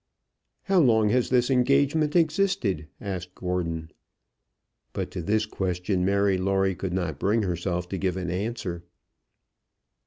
"How long has this engagement existed?" asked Gordon. But to this question Mary Lawrie could not bring herself to give an answer.